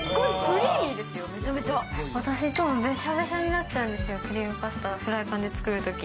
私いつも、べしゃべしゃになっちゃうんですよ、クリームパスタ、フライパンで作るとき。